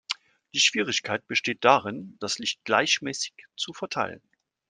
Die Schwierigkeit besteht darin, das Licht gleichmäßig zu verteilen.